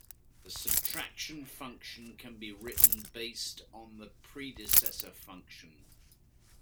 The subtraction function can be written based on the predecessor function.